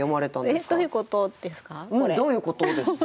「どういうこと？」ですか？